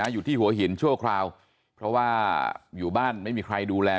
อยู่ที่หัวหินชั่วคราวเพราะว่าอยู่บ้านไม่มีใครดูแล